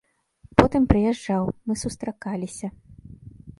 Потым прыязджаў, мы сустракаліся.